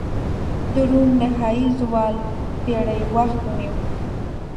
د روم نهايي زوال پېړۍ وخت ونیوه.